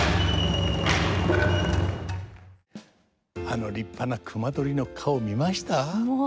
あの立派な隈取りの顔見ました？